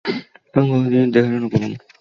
এবং গবাদিপশুগুলোর দেখাশোনা করুন।